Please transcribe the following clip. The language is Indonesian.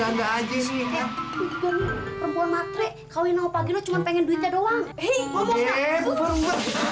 eh eh eh eh eh perempuan matre kawinan sama pak gino cuma pengen duitnya doang